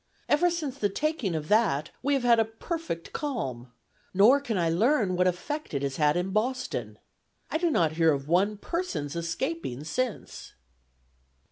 Ever since the taking of that, we have had a perfect calm; nor can I learn what effect it has had in Boston. I do not hear of one person's escaping since."